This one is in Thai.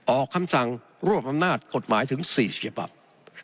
ออกคำสั่งรวบอำนาจกฎหมายถึง๔สิบภัพธ์